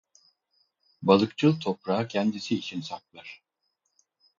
Balıkçıl toprağı kendisi için saklar.